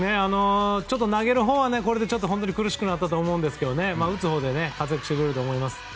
ちょっと投げるほうは本当に苦しくなったと思いますが打つ方で活躍してくれると思います。